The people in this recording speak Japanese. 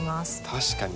確かに。